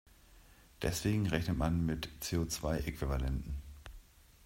Deswegen rechnet man mit CO-zwei-Äquivalenten.